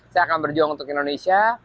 saya akan berjuang untuk indonesia